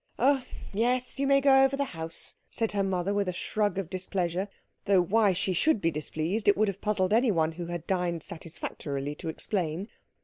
"Oh, yes, you may go over the house," said her mother with a shrug of displeasure; though why she should be displeased it would have puzzled anyone who had dined satisfactorily to explain.